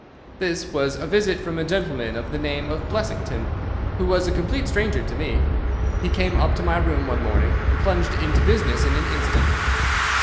"This was a visit from a gentleman of the name of Blessington, who was a complete stranger to me. He came up to my room one morning, and plunged into business in an instant.